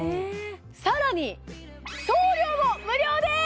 さらに送料も無料です！